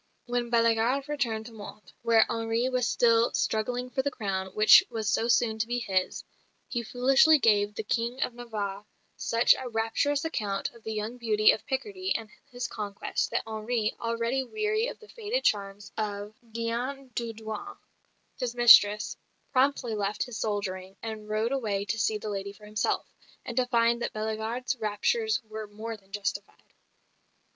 When Bellegarde returned to Mantes, where Henri was still struggling for the crown which was so soon to be his, he foolishly gave the King of Navarre such a rapturous account of the young beauty of Picardy and his conquest that Henri, already weary of the faded charms of Diane d'Audouins, his mistress, promptly left his soldiering and rode away to see the lady for himself, and to find that Bellegarde's raptures were more than justified.